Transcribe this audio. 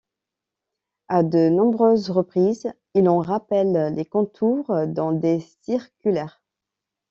À de nombreuses reprises, il en rappelle les contours dans des circulaires.